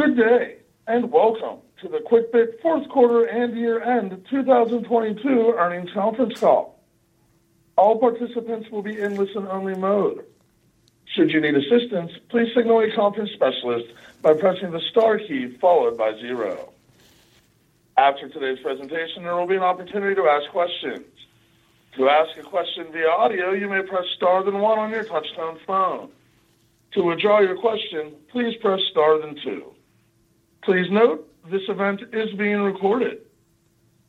Good day, and welcome to the Quickbit Fourth Quarter and Year-End 2022 Earnings conference call. All participants will be in listen only mode. Should you need assistance, please signal a conference specialist by pressing the star key followed by zero. After today's presentation, there will be an opportunity to ask questions. To ask a question via audio, you may press star then one on your touch-tone phone. To withdraw your question, please press star then two. Please note, this event is being recorded.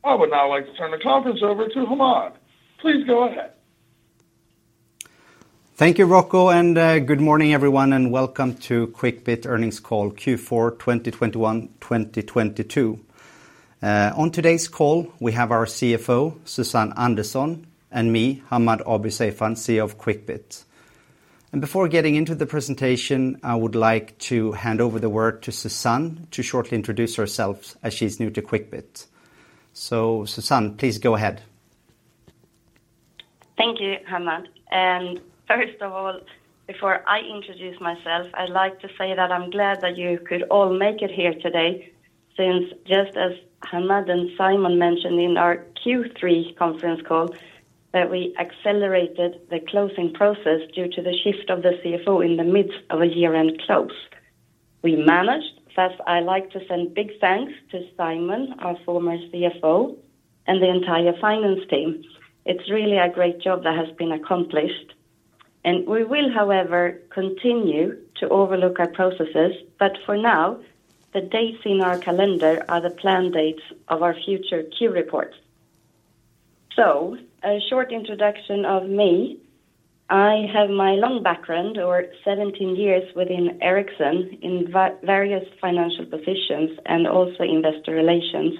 I would now like to turn the conference over to Hammad. Please go ahead. Thank you, Rocco, and good morning, everyone, and welcome to Quickbit Earnings Call Q4 2021/2022. On today's call, we have our CFO, Susanne Andersson, and me, Hammad Abuiseifan, CEO of Quickbit. Before getting into the presentation, I would like to hand over the word to Susanne to shortly introduce herself as she's new to Quickbit. Susanne, please go ahead. Thank you, Hammad. First of all, before I introduce myself, I'd like to say that I'm glad that you could all make it here today, since just as Hammad and Simon mentioned in our Q3 conference call that we accelerated the closing process due to the shift of the CFO in the midst of a year-end close. We managed. Thus, I like to send big thanks to Simon, our former CFO, and the entire finance team. It's really a great job that has been accomplished. We will, however, continue to overlook our processes, but for now, the dates in our calendar are the plan dates of our future Q Reports. A short introduction of me. I have my long background or 17 years within Ericsson in various financial positions and also investor relations.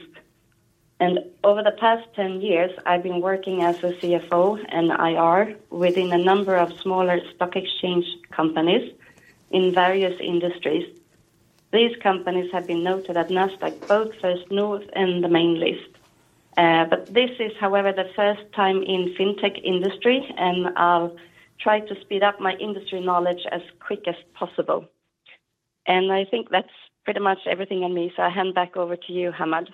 Over the past 10 years, I've been working as a CFO and IR within a number of smaller stock exchange companies in various industries. These companies have been noted at Nasdaq, both First North and the Main List. This is, however, the first time in fintech industry, and I'll try to speed up my industry knowledge as quick as possible. I think that's pretty much everything on me, so I hand back over to you, Hammad.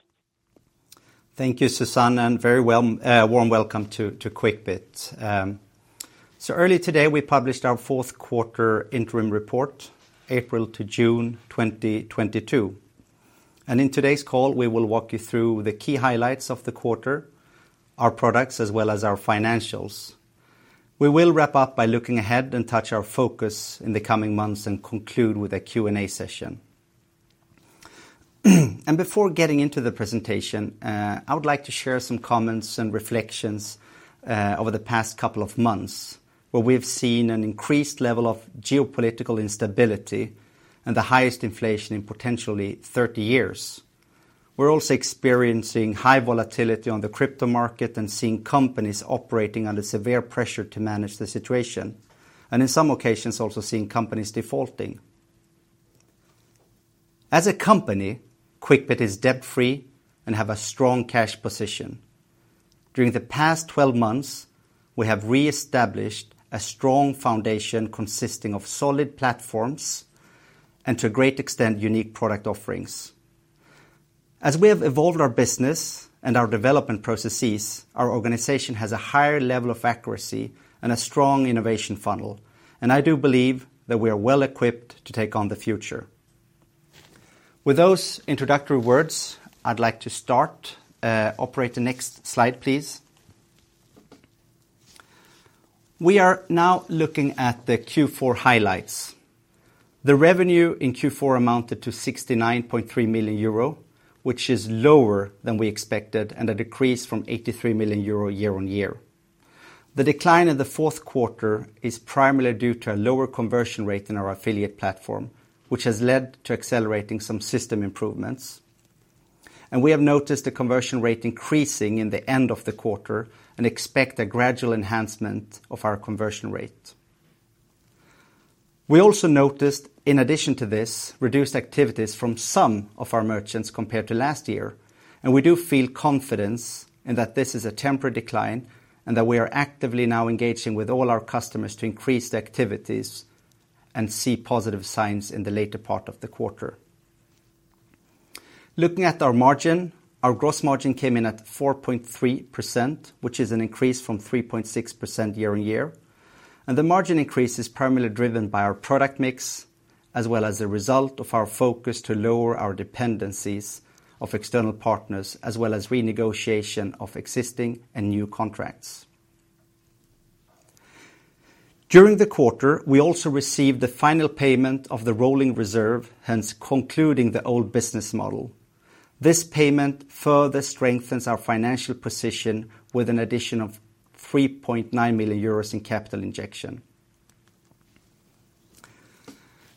Thank you, Susanne, and very warm welcome to Quickbit. So early today, we published our fourth quarter interim report, April to June 2022. In today's call, we will walk you through the key highlights of the quarter, our products, as well as our financials. We will wrap up by looking ahead and touch our focus in the coming months and conclude with a Q&A session. Before getting into the presentation, I would like to share some comments and reflections over the past couple of months, where we've seen an increased level of geopolitical instability and the highest inflation in potentially 30 years. We're also experiencing high volatility on the crypto market and seeing companies operating under severe pressure to manage the situation, and in some occasions, also seeing companies defaulting. As a company, Quickbit is debt-free and have a strong cash position. During the past 12 months, we have reestablished a strong foundation consisting of solid platforms and to a great extent, unique product offerings. As we have evolved our business and our development processes, our organization has a higher level of accuracy and a strong innovation funnel, and I do believe that we are well equipped to take on the future. With those introductory words, I'd like to start. Operator, next slide, please. We are now looking at the Q4 highlights. The revenue in Q4 amounted to 69.3 million euro, which is lower than we expected and a decrease from 83 million euro year-on-year. The decline in the fourth quarter is primarily due to a lower conversion rate in our affiliate platform, which has led to accelerating some system improvements. We have noticed the conversion rate increasing in the end of the quarter and expect a gradual enhancement of our conversion rate. We also noticed, in addition to this, reduced activities from some of our merchants compared to last year, and we do feel confidence in that this is a temporary decline and that we are actively now engaging with all our customers to increase the activities and see positive signs in the later part of the quarter. Looking at our margin, our gross margin came in at 4.3%, which is an increase from 3.6% year-on-year. The margin increase is primarily driven by our product mix, as well as a result of our focus to lower our dependencies of external partners, as well as renegotiation of existing and new contracts. During the quarter, we also received the final payment of the rolling reserve, hence concluding the old business model. This payment further strengthens our financial position with an addition of 3.9 million euros in capital injection.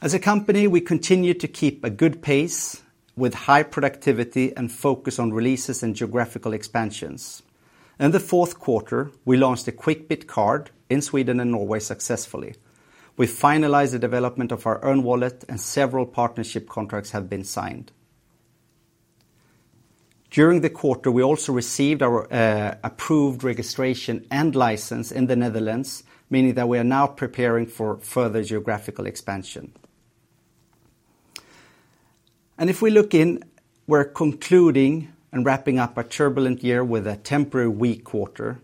As a company, we continue to keep a good pace with high productivity and focus on releases and geographical expansions. In the fourth quarter, we launched a Quickbit Card in Sweden and Norway successfully. We finalized the development of our own wallet and several partnership contracts have been signed. During the quarter, we also received our approved registration and license in the Netherlands, meaning that we are now preparing for further geographical expansion. If we look in, we're concluding and wrapping up a turbulent year with a temporary weak quarter,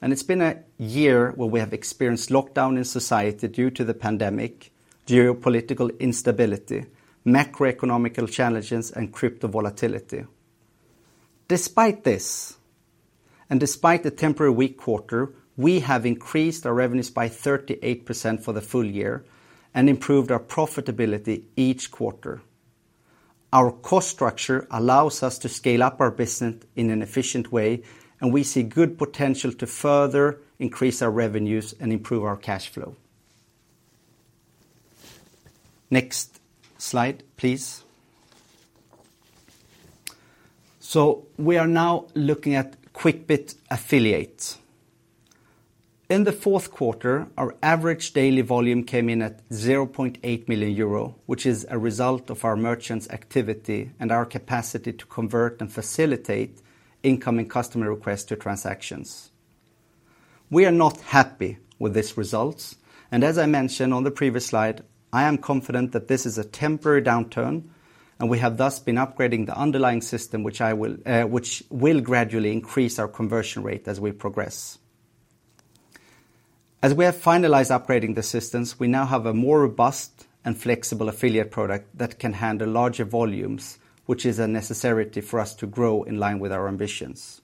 and it's been a year where we have experienced lockdown in society due to the pandemic, geopolitical instability, macroeconomic challenges, and crypto volatility. Despite this, and despite the temporary weak quarter, we have increased our revenues by 38% for the full year and improved our profitability each quarter. Our cost structure allows us to scale up our business in an efficient way, and we see good potential to further increase our revenues and improve our cash flow. Next slide, please. We are now looking at Quickbit Affiliate. In the fourth quarter, our average daily volume came in at 0.8 million euro, which is a result of our merchants activity and our capacity to convert and facilitate incoming customer requests to transactions. We are not happy with these results, and as I mentioned on the previous slide, I am confident that this is a temporary downturn and we have thus been upgrading the underlying system which will gradually increase our conversion rate as we progress. As we have finalized upgrading the systems, we now have a more robust and flexible affiliate product that can handle larger volumes, which is a necessity for us to grow in line with our ambitions.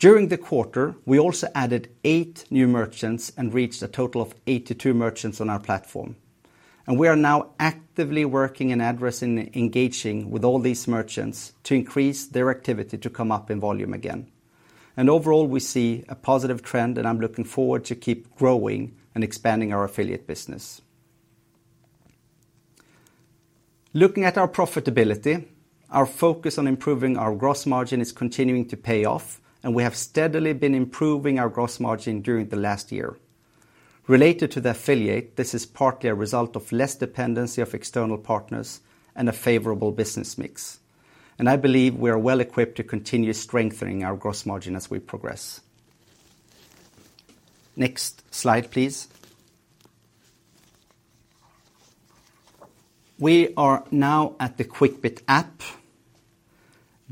During the quarter, we also added eight new merchants and reached a total of 82 merchants on our platform. We are now actively working and engaging with all these merchants to increase their activity to come up in volume again. Overall, we see a positive trend, and I'm looking forward to keep growing and expanding our affiliate business. Looking at our profitability, our focus on improving our gross margin is continuing to pay off, and we have steadily been improving our gross margin during the last year. Related to the affiliate, this is partly a result of less dependency of external partners and a favorable business mix. I believe we are well equipped to continue strengthening our gross margin as we progress. Next slide, please. We are now at the Quickbit App.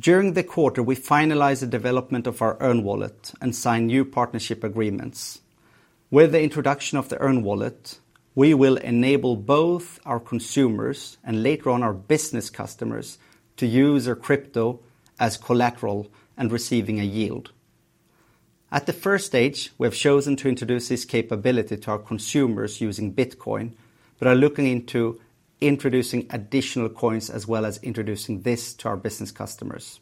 During the quarter, we finalized the development of our Earn Wallet and signed new partnership agreements. With the introduction of the Earn Wallet, we will enable both our consumers and later on our business customers to use their crypto as collateral and receiving a yield. At the first stage, we have chosen to introduce this capability to our consumers using Bitcoin, but are looking into introducing additional coins as well as introducing this to our business customers.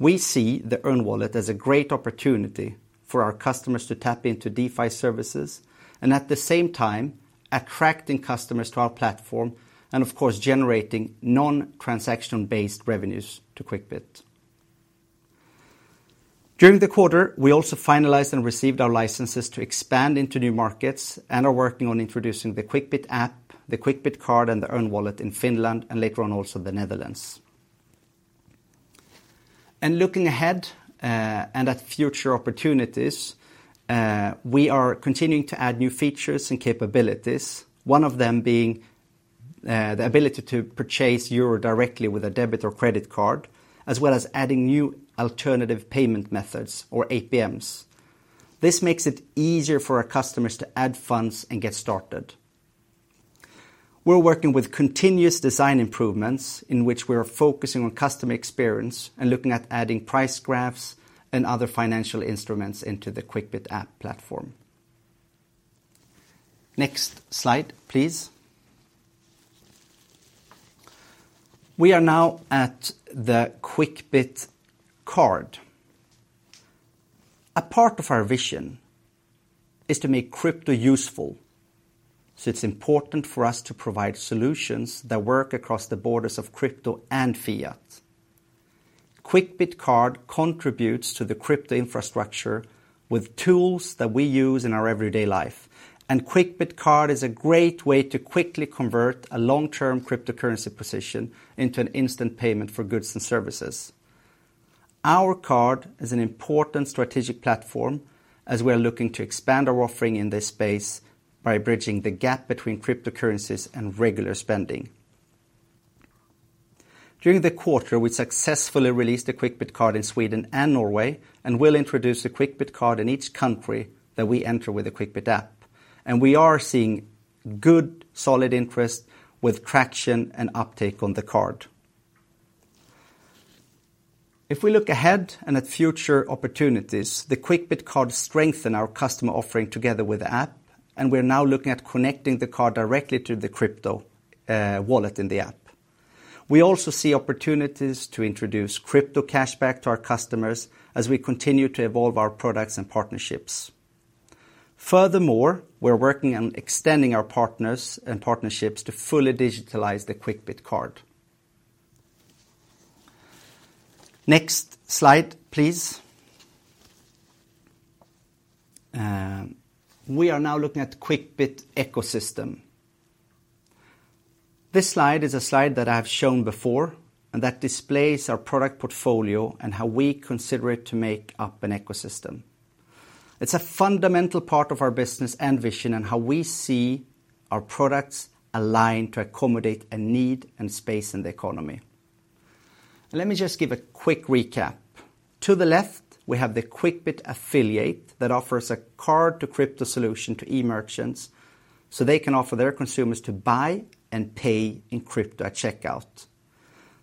We see the Earn Wallet as a great opportunity for our customers to tap into DeFi services and at the same time attracting customers to our platform and of course, generating non-transaction-based revenues to Quickbit. During the quarter, we also finalized and received our licenses to expand into new markets and are working on introducing the Quickbit App, the Quickbit Card, and the Earn Wallet in Finland and later on also the Netherlands. Looking ahead and at future opportunities, we are continuing to add new features and capabilities, one of them being the ability to purchase euro directly with a debit or credit card, as well as adding new Alternative Payment Methods or APMs. This makes it easier for our customers to add funds and get started. We're working with continuous design improvements in which we are focusing on customer experience and looking at adding price graphs and other financial instruments into the Quickbit App platform. Next slide, please. We are now at the Quickbit Card. A part of our vision is to make crypto useful, so it's important for us to provide solutions that work across the borders of crypto and fiat. Quickbit Card contributes to the crypto infrastructure with tools that we use in our everyday life. Quickbit Card is a great way to quickly convert a long-term cryptocurrency position into an instant payment for goods and services. Our card is an important strategic platform as we are looking to expand our offering in this space by bridging the gap between cryptocurrencies and regular spending. During the quarter, we successfully released the Quickbit Card in Sweden and Norway, and will introduce a Quickbit Card in each country that we enter with a Quickbit App. We are seeing good, solid interest with traction and uptake on the card. If we look ahead and at future opportunities, the Quickbit Card strengthen our customer offering together with the app, and we are now looking at connecting the card directly to the crypto wallet in the app. We also see opportunities to introduce crypto cashback to our customers as we continue to evolve our products and partnerships. Furthermore, we're working on extending our partners and partnerships to fully digitalize the Quickbit Card. Next slide, please. We are now looking at Quickbit ecosystem. This slide is a slide that I've shown before and that displays our product portfolio and how we consider it to make up an ecosystem. It's a fundamental part of our business and vision and how we see our products align to accommodate a need and space in the economy. Let me just give a quick recap. To the left, we have the Quickbit Affiliate that offers a card to crypto solution to e-merchants so they can offer their consumers to buy and pay in crypto at checkout.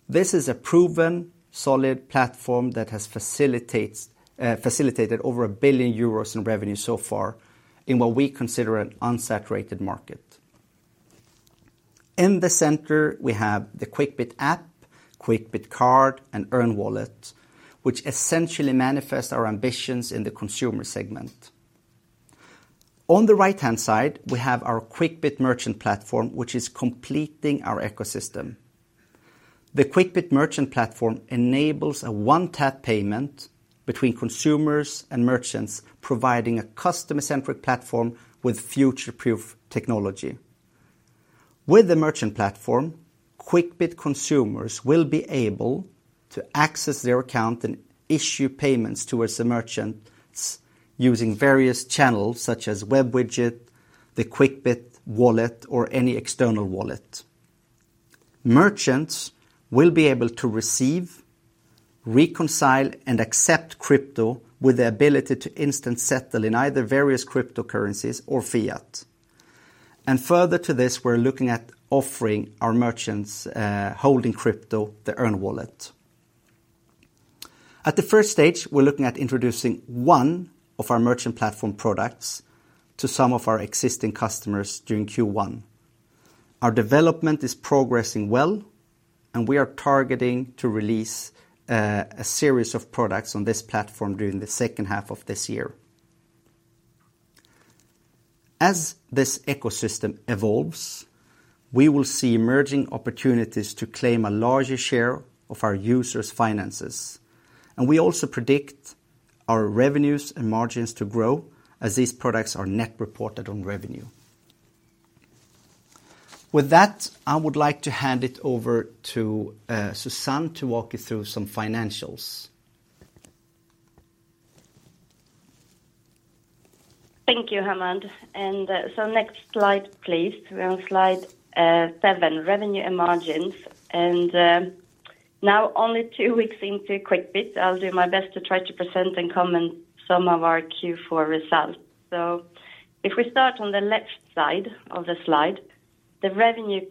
This is a proven solid platform that has facilitated over 1 billion euros in revenue so far in what we consider an unsaturated market. In the center, we have the Quickbit App, Quickbit Card, and Earn Wallet, which essentially manifests our ambitions in the consumer segment. On the right-hand side, we have our Quickbit Merchant platform, which is completing our ecosystem. The Quickbit Merchant platform enables a one-tap payment between consumers and merchants, providing a customer-centric platform with future-proof technology. With the merchant platform, Quickbit consumers will be able to access their account and issue payments towards the merchants using various channels such as web widget, the Quickbit wallet or any external wallet. Merchants will be able to receive, reconcile, and accept crypto with the ability to instant settle in either various cryptocurrencies or fiat. Further to this, we're looking at offering our merchants holding crypto the Earn Wallet. At the first stage, we're looking at introducing one of our merchant platform products to some of our existing customers during Q1. Our development is progressing well, and we are targeting to release a series of products on this platform during the second half of this year. As this ecosystem evolves, we will see emerging opportunities to claim a larger share of our users' finances. We also predict our revenues and margins to grow as these products are net reported on revenue. With that, I would like to hand it over to Susanne to walk you through some financials. Thank you, Hammad. Next slide, please. We're on slide seven, revenue and margins. Now only two weeks into Quickbit, I'll do my best to try to present and comment some of our Q4 results. If we start on the left side of the slide, the revenue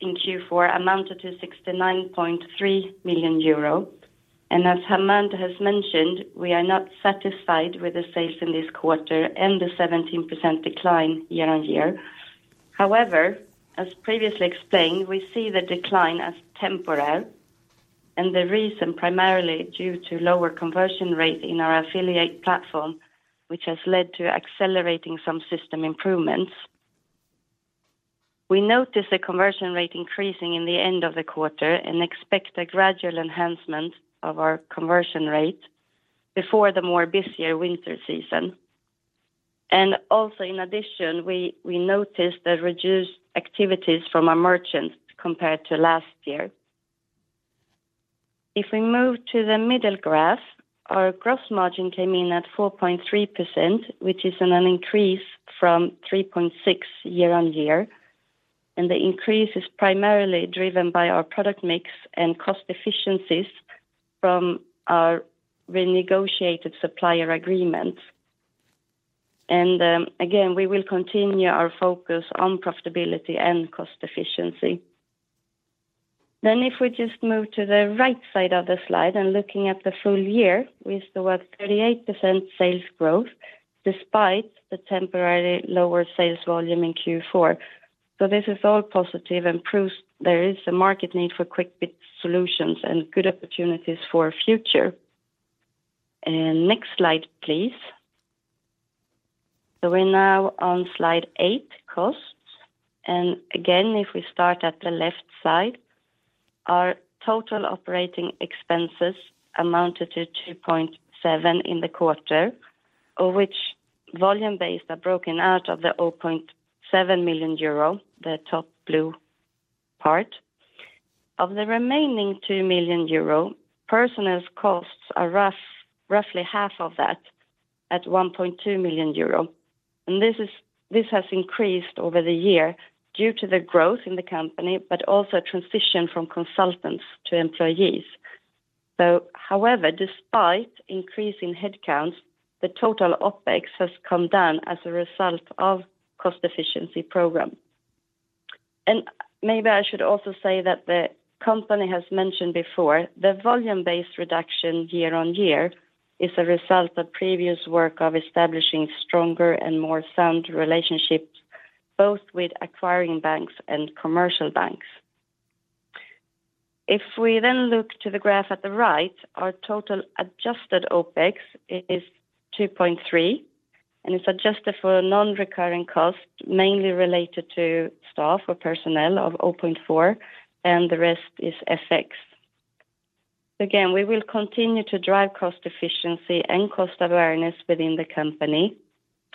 in Q4 amounted to 69.3 million euro. As Hammad has mentioned, we are not satisfied with the sales in this quarter and the 17% decline year-on-year. However, as previously explained, we see the decline as temporary, and the reason primarily due to lower conversion rate in our affiliate platform, which has led to accelerating some system improvements. We notice the conversion rate increasing in the end of the quarter and expect a gradual enhancement of our conversion rate before the more busier winter season. Also in addition, we notice the reduced activities from our merchants compared to last year. If we move to the middle graph, our gross margin came in at 4.3%, which is an increase from 3.6% year-on-year. The increase is primarily driven by our product mix and cost efficiencies from our renegotiated supplier agreements. Again, we will continue our focus on profitability and cost efficiency. If we just move to the right side of the slide and looking at the full year, we saw a 38% sales growth despite the temporarily lower sales volume in Q4. This is all positive and proves there is a market need for Quickbit solutions and good opportunities for future. Next slide, please. We're now on slide 8, costs. Again, if we start at the left side, our total operating expenses amounted to 2.7 million in the quarter, of which volume-based are broken out of the 0.7 million euro, the top blue part. Of the remaining 2 million euro, personnel costs are roughly half of that at 1.2 million euro. This has increased over the year due to the growth in the company but also transition from consultants to employees. However, despite increase in headcounts, the total OpEx has come down as a result of cost efficiency program. Maybe I should also say that the company has mentioned before, the volume-based reduction year-on-year is a result of previous work of establishing stronger and more sound relationships, both with acquiring banks and commercial banks. If we then look to the graph at the right, our total Adjusted OpEx is 2.3, and it's adjusted for non-recurring costs, mainly related to staff or personnel of 0.4, and the rest is FX. Again, we will continue to drive cost efficiency and cost awareness within the company.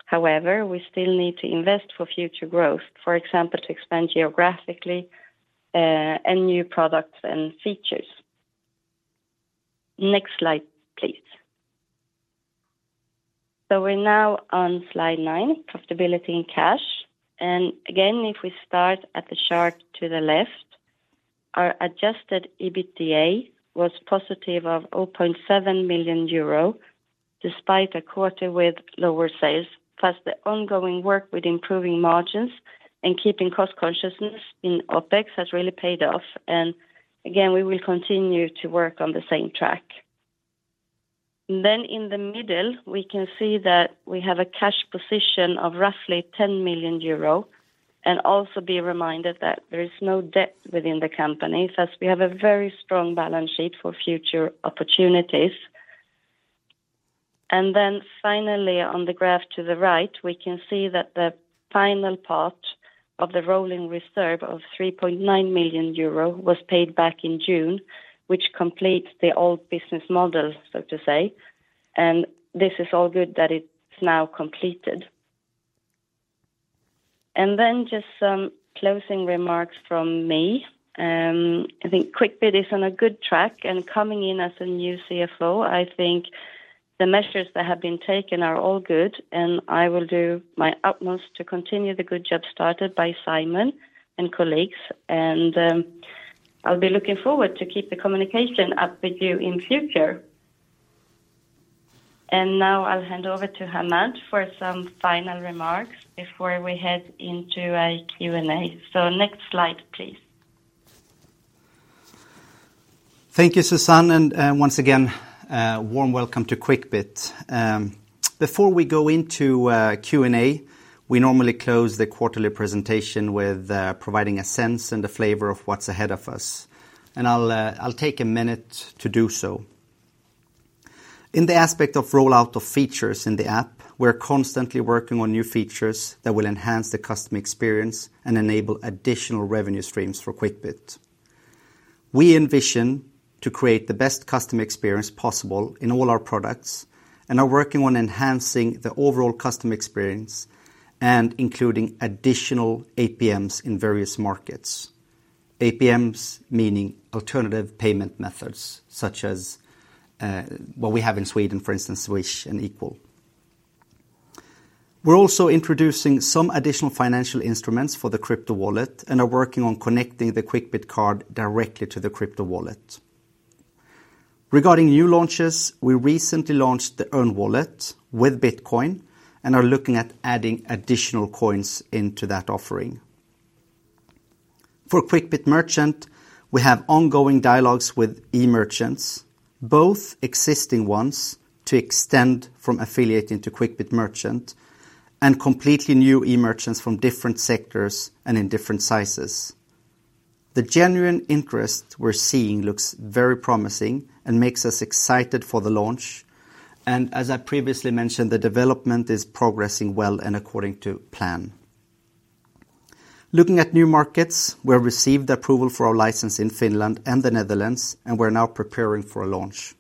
However, we still need to invest for future growth, for example, to expand geographically, and new products and features. Next slide, please. We're now on slide nine, profitability and cash. Again, if we start at the chart to the left, our Adjusted EBITDA was positive of 0.7 million euro despite a quarter with lower sales, plus the ongoing work with improving margins and keeping cost consciousness in OpEx has really paid off. Again, we will continue to work on the same track. In the middle, we can see that we have a cash position of roughly 10 million euro and also be reminded that there is no debt within the company, thus we have a very strong balance sheet for future opportunities. Finally, on the graph to the right, we can see that the final part of the rolling reserve of 3.9 million euro was paid back in June, which completes the old business model, so to say. This is all good that it's now completed. Just some closing remarks from me. I think Quickbit is on a good track and coming in as a new CFO, I think the measures that have been taken are all good, and I will do my utmost to continue the good job started by Simon and colleagues. I'll be looking forward to keep the communication up with you in future. Now I'll hand over to Hammad for some final remarks before we head into a Q&A. Next slide, please. Thank you, Susanne, and once again warm welcome to Quickbit. Before we go into our Q&A, we normally close the quarterly presentation with providing a sense and a flavor of what's ahead of us. I'll take a minute to do so. In the aspect of rollout of features in the app, we're constantly working on new features that will enhance the customer experience and enable additional revenue streams for Quickbit. We envision to create the best customer experience possible in all our products and are working on enhancing the overall customer experience and including additional APMs in various markets. APMs meaning Alternative Payment Methods such as what we have in Sweden, for instance, Swish and iDEAL. We're also introducing some additional financial instruments for the crypto wallet and are working on connecting the Quickbit Card directly to the crypto wallet. Regarding new launches, we recently launched the Earn Wallet with Bitcoin and are looking at adding additional coins into that offering. For Quickbit Merchant, we have ongoing dialogues with e-merchants, both existing ones to extend from affiliating to Quickbit Merchant and completely new e-merchants from different sectors and in different sizes. The genuine interest we're seeing looks very promising and makes us excited for the launch. As I previously mentioned, the development is progressing well and according to plan. Looking at new markets, we have received approval for our license in Finland and the Netherlands, and we're now preparing for a launch.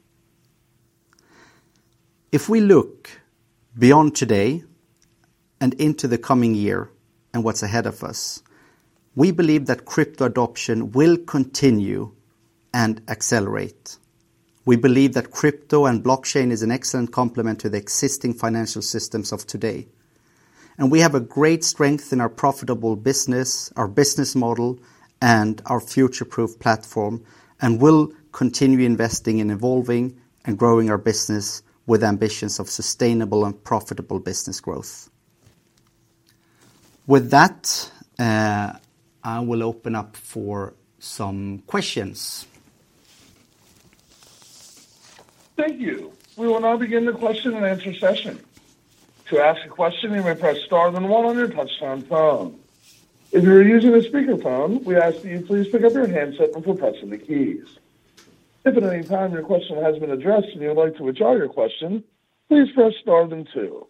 If we look beyond today and into the coming year and what's ahead of us, we believe that crypto adoption will continue and accelerate. We believe that crypto and blockchain is an excellent complement to the existing financial systems of today. We have a great strength in our profitable business, our business model, and our future-proof platform, and we'll continue investing in evolving and growing our business with ambitions of sustainable and profitable business growth. With that, I will open up for some questions. Thank you. We will now begin the question and answer session. To ask a question, you may press star then one on your touchtone phone. If you are using a speakerphone, we ask that you please pick up your handset before pressing the keys. If at any time your question has been addressed and you would like to withdraw your question, please press star then two.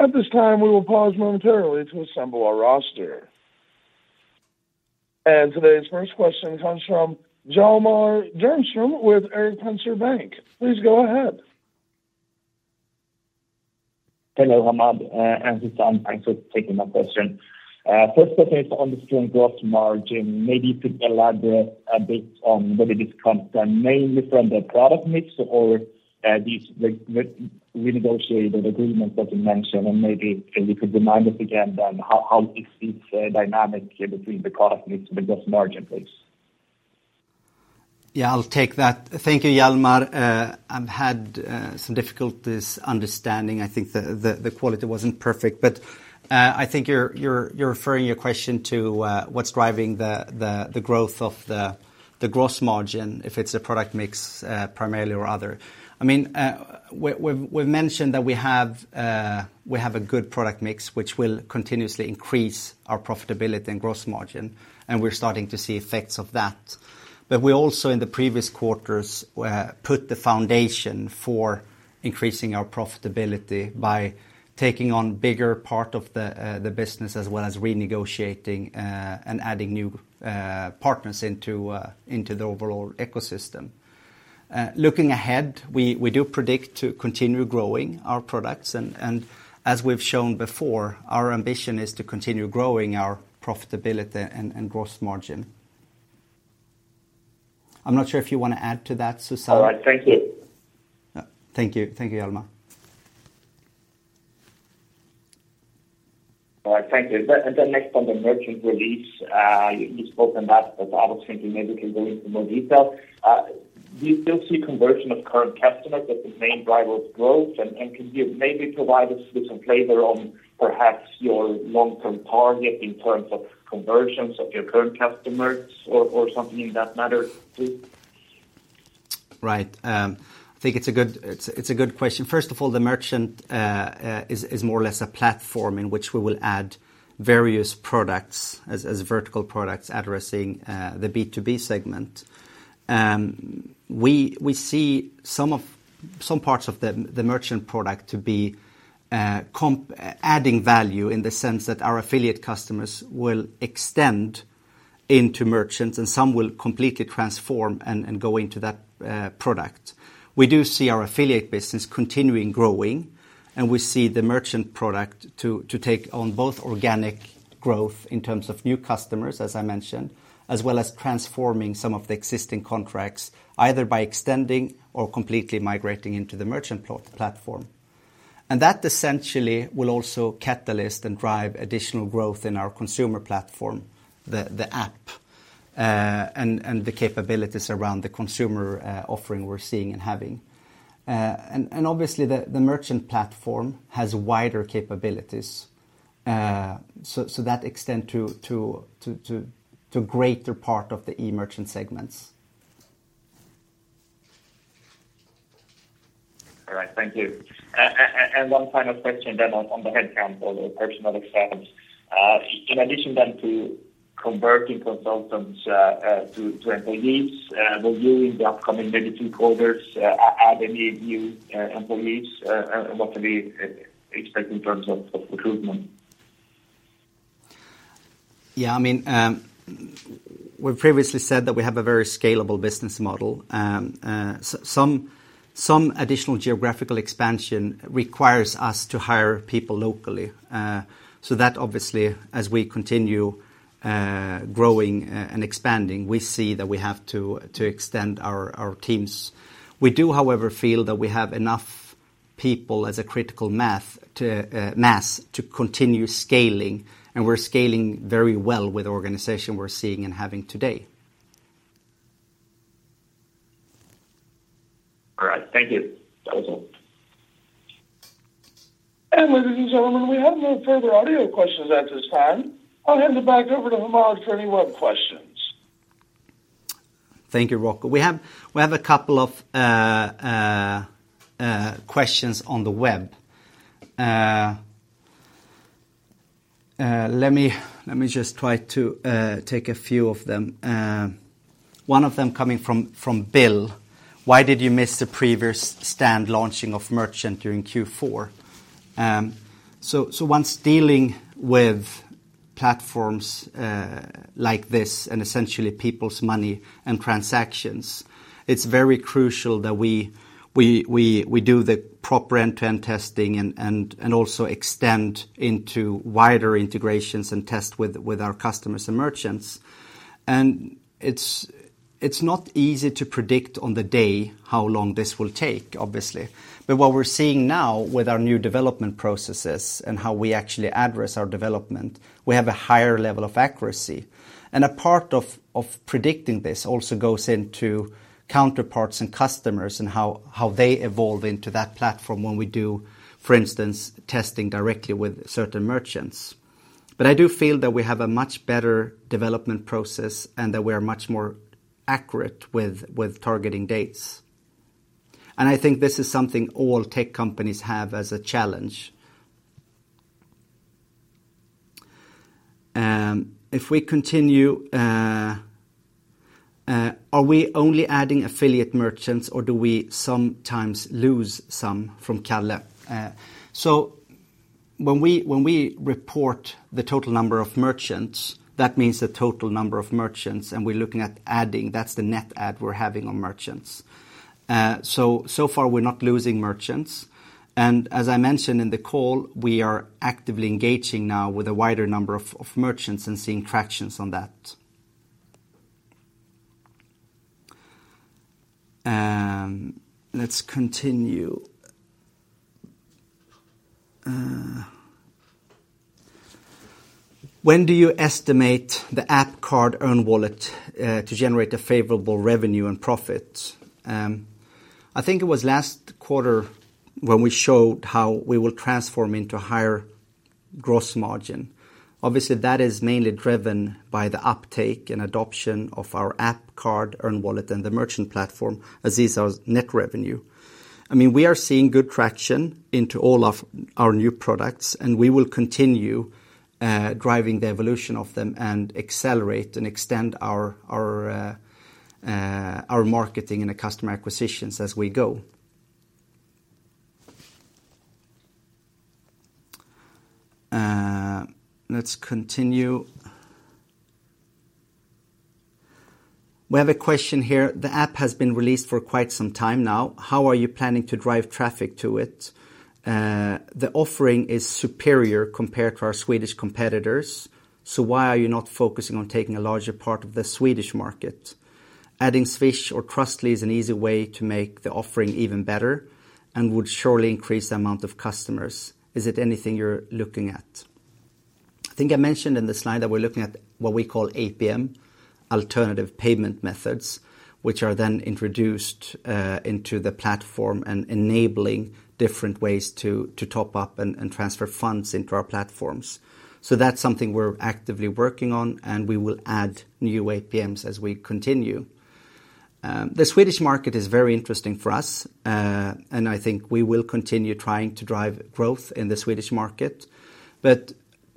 At this time, we will pause momentarily to assemble our roster. Today's first question comes from Hjalmar Jernström with Erik Penser Bank. Please go ahead. Hello, Hammad and Susanne. Thanks for taking my question. First, okay on the strong gross margin, maybe you could elaborate a bit on whether this comes from mainly from the product mix or these re-negotiated agreement that you mentioned, and maybe if you could remind us again then how it fits dynamic between the product mix and the gross margin, please. Yeah, I'll take that. Thank you, Hjalmar. I've had some difficulties understanding. I think the quality wasn't perfect, but I think you're referring to your question to what's driving the growth of the gross margin, if it's a product mix primarily or other. I mean, we've mentioned that we have a good product mix which will continuously increase our profitability and gross margin, and we're starting to see effects of that. We also in the previous quarters put the foundation for increasing our profitability by taking on bigger part of the business as well as renegotiating and adding new partners into the overall ecosystem. Looking ahead, we do predict to continue growing our products. As we've shown before, our ambition is to continue growing our profitability and gross margin. I'm not sure if you wanna add to that, Susanne. All right. Thank you. Thank you. Thank you, Hjalmar Jernström. All right. Thank you. The next one, the merchant release, you spoke on that, but I was thinking maybe you can go into more detail. Do you still see conversion of current customers as the main driver of growth? Can you maybe provide us with some flavor on perhaps your long-term target in terms of conversions of your current customers or something in that matter, please? Right. I think it's a good question. First of all, the merchant is more or less a platform in which we will add various products as vertical products addressing the B2B segment. We see some parts of the merchant product to be adding value in the sense that our affiliate customers will extend into merchants, and some will completely transform and go into that product. We do see our affiliate business continuing growing, and we see the merchant product to take on both organic growth in terms of new customers, as I mentioned, as well as transforming some of the existing contracts, either by extending or completely migrating into the merchant platform. That essentially will also catalyze and drive additional growth in our consumer platform, the app, and the capabilities around the consumer offering we're seeing and having. Obviously the merchant platform has wider capabilities, so that extend to greater part of the e-merchant segments. All right. Thank you. One final question then on the headcount or the personnel expense. In addition then to converting consultants to employees, will you in the upcoming maybe two quarters add any new employees? What can we expect in terms of recruitment? Yeah. I mean, we previously said that we have a very scalable business model. Some additional geographical expansion requires us to hire people locally. So that obviously, as we continue growing and expanding, we see that we have to extend our teams. We do, however, feel that we have enough people as a critical mass to continue scaling, and we're scaling very well with the organization we have today. All right. Thank you. That was all. Ladies and gentlemen, we have no further audio questions at this time. I'll hand it back over to Hammad for any web questions. Thank you, Rocco. We have a couple of questions on the web. Let me just try to take a few of them. One of them coming from Bill: Why did you miss the previous standalone launching of merchant during Q4? Once dealing with platforms like this and essentially people's money and transactions, it's very crucial that we do the proper end-to-end testing and also extend into wider integrations and test with our customers and merchants. It's not easy to predict on the day how long this will take, obviously. What we're seeing now with our new development processes and how we actually address our development, we have a higher level of accuracy. A part of predicting this also goes into counterparts and customers and how they evolve into that platform when we do, for instance, testing directly with certain merchants. I do feel that we have a much better development process and that we are much more accurate with targeting dates. I think this is something all tech companies have as a challenge. If we continue, are we only adding affiliate merchants or do we sometimes lose some? From Kalle. So when we report the total number of merchants, that means the total number of merchants, and we're looking at adding, that's the net add we're having on merchants. So far we're not losing merchants. As I mentioned in the call, we are actively engaging now with a wider number of merchants and seeing traction on that. Let's continue. When do you estimate the app, card, Earn Wallet to generate a favorable revenue and profit? I think it was last quarter when we showed how we will transform into higher gross margin. Obviously, that is mainly driven by the uptake and adoption of our app, card, Earn Wallet and the merchant platform which is our net revenue. I mean, we are seeing good traction in all of our new products, and we will continue driving the evolution of them and accelerate and extend our marketing and the customer acquisitions as we go. Let's continue. We have a question here. The app has been released for quite some time now. How are you planning to drive traffic to it? The offering is superior compared to our Swedish competitors, so why are you not focusing on taking a larger part of the Swedish market? Adding Swish or Trustly is an easy way to make the offering even better and would surely increase the amount of customers. Is it anything you're looking at? I think I mentioned in the slide that we're looking at what we call APMs, Alternative Payment Methods, which are then introduced into the platform and enabling different ways to top up and transfer funds into our platforms. That's something we're actively working on, and we will add new APMs as we continue. The Swedish market is very interesting for us, and I think we will continue trying to drive growth in the Swedish market.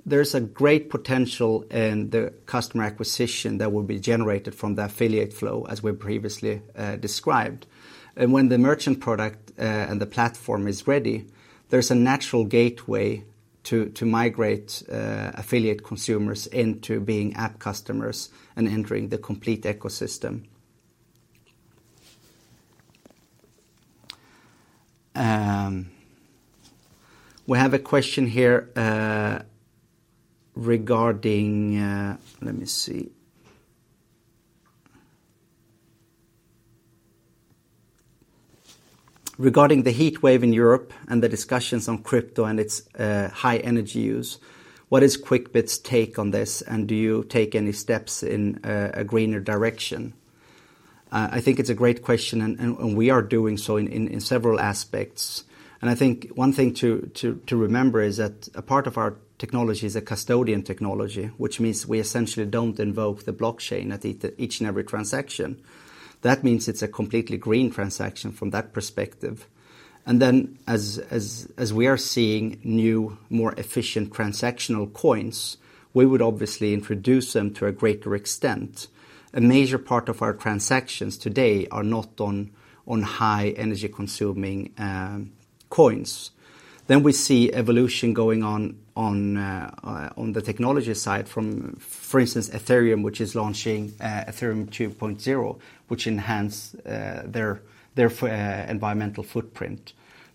There's a great potential in the customer acquisition that will be generated from the affiliate flow, as we previously described. When the merchant product and the platform is ready, there's a natural gateway to migrate affiliate consumers into being app customers and entering the complete ecosystem. We have a question here regarding the heatwave in Europe and the discussions on crypto and its high energy use, what is Quickbit's take on this, and do you take any steps in a greener direction? I think it's a great question and we are doing so in several aspects. I think one thing to remember is that a part of our technology is a custodian technology, which means we essentially don't invoke the blockchain at each and every transaction. That means it's a completely green transaction from that perspective. As we are seeing new, more efficient transactional coins, we would obviously introduce them to a greater extent. A major part of our transactions today are not on high energy-consuming coins. We see evolution going on the technology side from, for instance, Ethereum, which is launching Ethereum 2.0, which enhance their environmental footprint.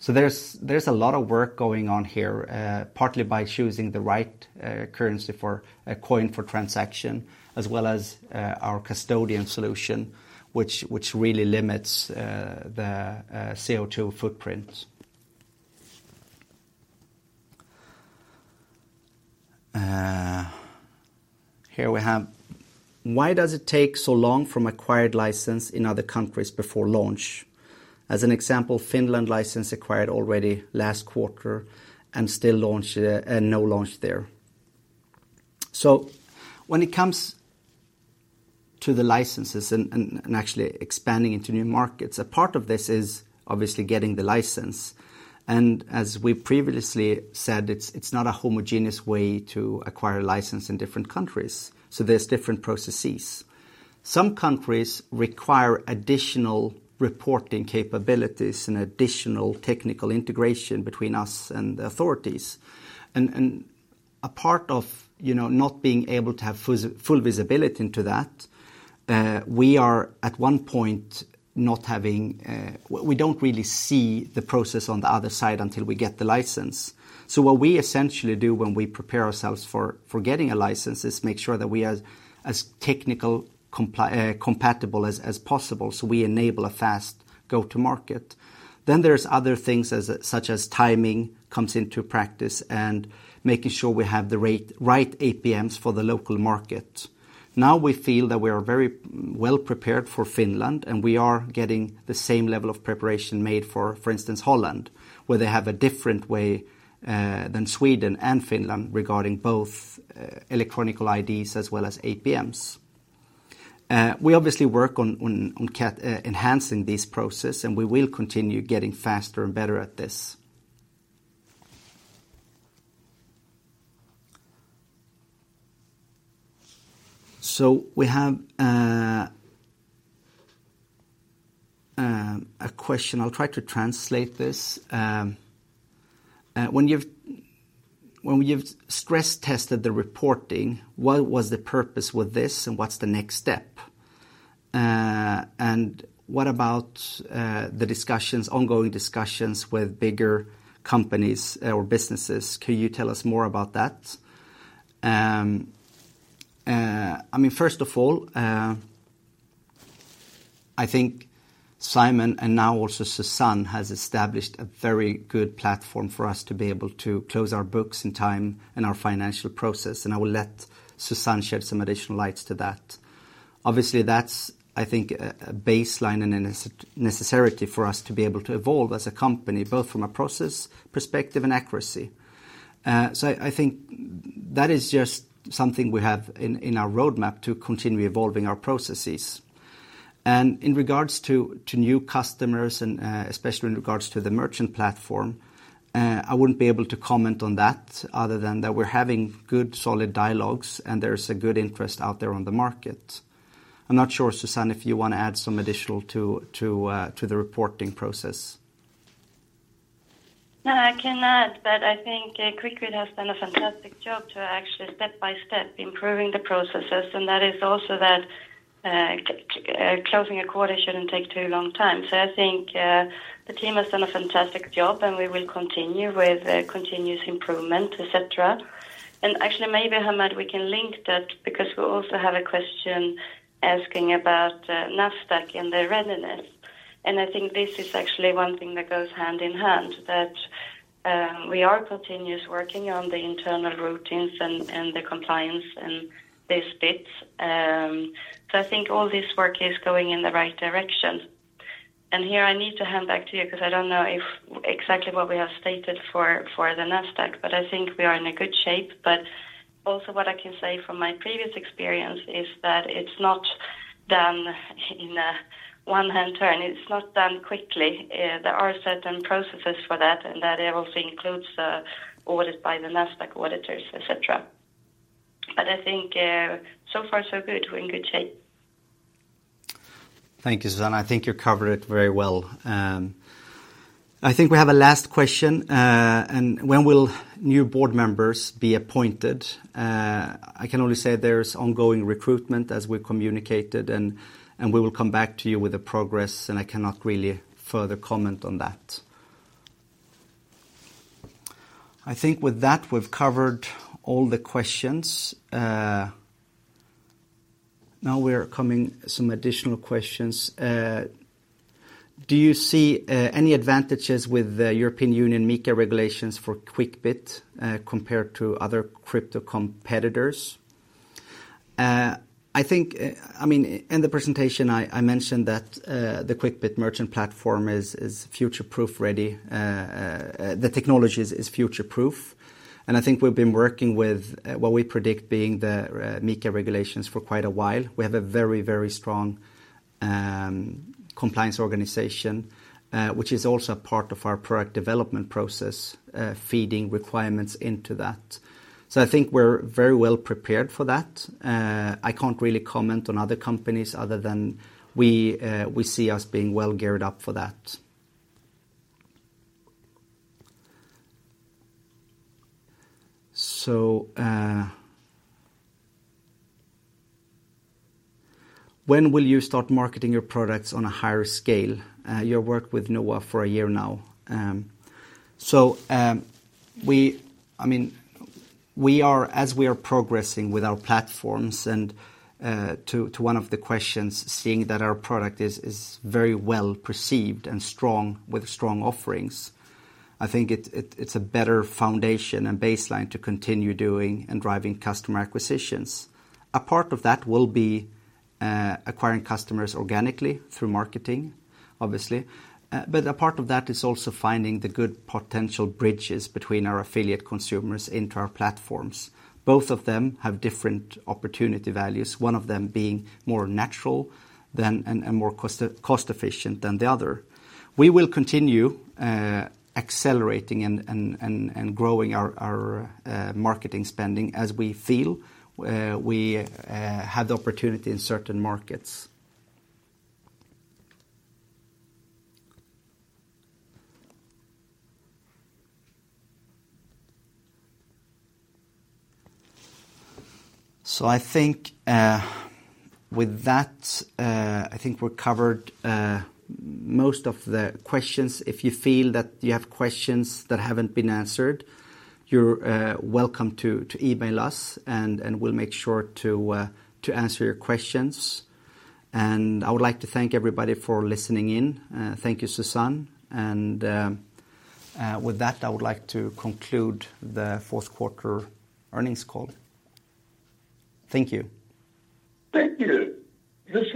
There's a lot of work going on here, partly by choosing the right currency for a coin for transaction, as well as our custodian solution, which really limits the CO2 footprint. Here we have. Why does it take so long from acquired license in other countries before launch? As an example, Finland license acquired already last quarter and still no launch there. When it comes to the licenses and actually expanding into new markets, a part of this is obviously getting the license. As we previously said, it's not a homogeneous way to acquire a license in different countries, so there's different processes. Some countries require additional reporting capabilities and additional technical integration between us and the authorities. A part of, you know, not being able to have full visibility into that, we don't really see the process on the other side until we get the license. What we essentially do when we prepare ourselves for getting a license is make sure that we are as technically compatible as possible, so we enable a fast go-to market. There's other things such as timing comes into play and making sure we have the right APMs for the local market. Now we feel that we are very well prepared for Finland, and we are getting the same level of preparation made for instance, Holland, where they have a different way than Sweden and Finland regarding both electronic IDs as well as APMs. We obviously work on enhancing this process, and we will continue getting faster and better at this. We have a question. I'll try to translate this. When you've stress-tested the reporting, what was the purpose with this, and what's the next step? What about the discussions, ongoing discussions with bigger companies or businesses? Could you tell us more about that? I mean, first of all, I think Simon and now also Susanne has established a very good platform for us to be able to close our books in time and our financial process, and I will let Susanne shed some additional light to that. Obviously, that's. I think a baseline and a necessity for us to be able to evolve as a company, both from a process perspective and accuracy. I think that is just something we have in our roadmap to continue evolving our processes. In regards to new customers and especially in regards to the merchant platform, I wouldn't be able to comment on that other than that we're having good, solid dialogues and there's a good interest out there on the market. I'm not sure, Susanne, if you wanna add some additional to the reporting process. No, I can add that I think Quickbit has done a fantastic job to actually step-by-step improving the processes, and that is also closing a quarter shouldn't take too long time. I think the team has done a fantastic job and we will continue with continuous improvement, et cetera. Actually, maybe, Hammad, we can link that because we also have a question asking about Nasdaq and their readiness. I think this is actually one thing that goes hand in hand that we are continuously working on the internal routines and the compliance and these bits. I think all this work is going in the right direction. Here I need to hand back to you because I don't know if exactly what we have stated for the Nasdaq, but I think we are in a good shape. Also what I can say from my previous experience is that it's not done in one hand turn. It's not done quickly. There are certain processes for that, and that also includes orders by the Nasdaq auditors, et cetera. I think so far so good. We're in good shape. Thank you, Susanne. I think you covered it very well. I think we have a last question. When will new board members be appointed? I can only say there's ongoing recruitment as we communicated, and we will come back to you with the progress, and I cannot really further comment on that. I think with that, we've covered all the questions. Now we're coming to some additional questions. Do you see any advantages with the European Union MiCA regulations for Quickbit, compared to other crypto competitors? I think, I mean, in the presentation I mentioned that, the Quickbit Merchant platform is future-proof ready. The technology is future-proof. I think we've been working with what we predict being the MiCA regulations for quite a while. We have a very, very strong compliance organization, which is also part of our product development process, feeding requirements into that. I think we're very well prepared for that. I can't really comment on other companies other than we see ourselves being well geared up for that. When will you start marketing your products on a higher scale? You worked with Noah for a year now. I mean, as we are progressing with our platforms and, to one of the questions, seeing that our product is very well perceived and strong with strong offerings, I think it's a better foundation and baseline to continue doing and driving customer acquisitions. A part of that will be acquiring customers organically through marketing, obviously. A part of that is also finding the good potential bridges between our affiliate consumers into our platforms. Both of them have different opportunity values, one of them being more natural than and more cost efficient than the other. We will continue accelerating and growing our marketing spending as we feel we have the opportunity in certain markets. I think with that I think we covered most of the questions. If you feel that you have questions that haven't been answered, you're welcome to email us, and we'll make sure to answer your questions. I would like to thank everybody for listening in. Thank you, Susanne. With that, I would like to conclude the fourth quarter earnings call. Thank you. Thank you.